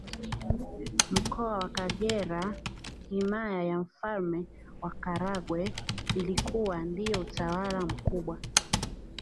Mkoa wa Kagera Himaya ya mfalme wa Karagwe ilikuwa ndiyo utawala mkubwa